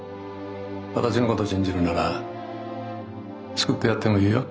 私のこと信じるなら救ってやってもいいよ。